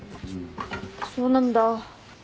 そうなんだ。